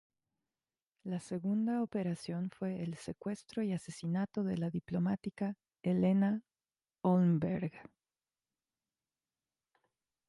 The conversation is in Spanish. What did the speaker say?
La segunda operación fue el secuestro y asesinato de la diplomática Helena Holmberg.